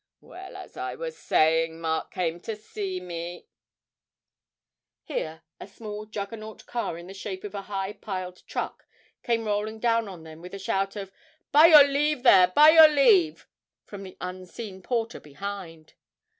Well, as I was saying, Mark came to me ' Here a small Juggernaut car in the shape of a high piled truck came rolling down on them with a shout of, 'By your leave there, by your leave!' from the unseen porter behind.